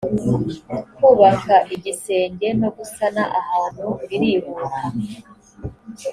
kubaka igisenge no gusana ahantu birihuta